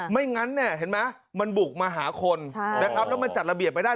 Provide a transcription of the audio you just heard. งั้นเนี่ยเห็นไหมมันบุกมาหาคนนะครับแล้วมันจัดระเบียบไม่ได้